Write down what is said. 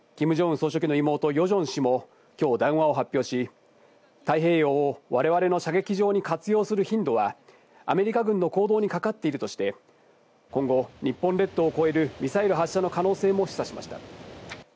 総書記の妹、ヨジョン氏も、きょう談話を発表し、太平洋をわれわれの射撃場に活用する頻度は、アメリカ軍の行動にかかっているとして、今後、日本列島を越えるミサイル発射の可能性も示唆しました。